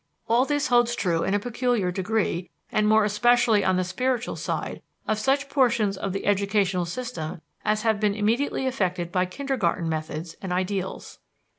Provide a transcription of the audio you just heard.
All this holds true in a peculiar degree, and more especially on the spiritual side, of such portions of the educational system as have been immediately affected by kindergarten methods and ideals.